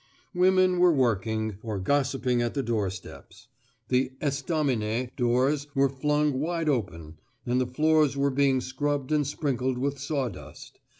Women were working, or gossiping at the doorsteps. The estaminet doors were flung wide open, and the floors were being scrubbed and sprinkled with sawdust.